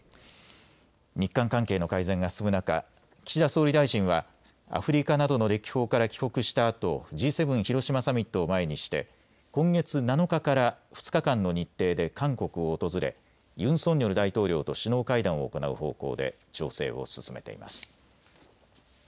日韓関係の改善が進む中、岸田総理大臣はアフリカなどの歴訪から帰国したあとＧ７広島サミットを前にして今月７日から２日間の日程で韓国を訪れユン・ソンニョル大統領と首脳会談を行う方向で調整を進めています。